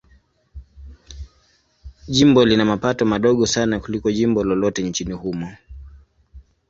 Jimbo lina mapato madogo sana kuliko jimbo lolote nchini humo.